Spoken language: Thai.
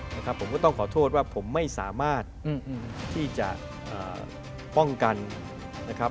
นะครับผมก็ต้องขอโทษว่าผมไม่สามารถที่จะป้องกันนะครับ